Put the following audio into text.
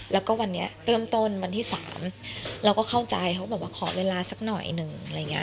แล้วก็วันนี้เริ่มต้นวันที่๓เราก็เข้าใจเขาก็บอกว่าขอเวลาสักหน่อยหนึ่งอะไรอย่างนี้